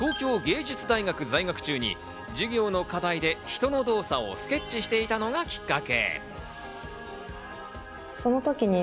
東京藝術大学在学中に授業の課題で人の動作をスケッチしていたのがきっかけ。